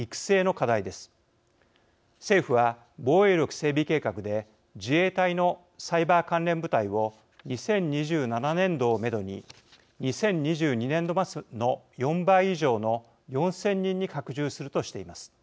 政府は防衛力整備計画で自衛隊のサイバー関連部隊を２０２７年度をめどに２０２２年度末の４倍以上の４，０００人に拡充するとしています。